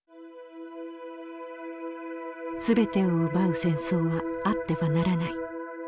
全てを奪う戦争はあってはならない。